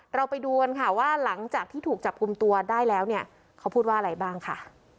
เราไปดูกันค่ะว่าหลังจากที่ถูกจับกลุ่มตัวได้แล้วเนี่ยเขาพูดว่าอะไรบ้างค่ะ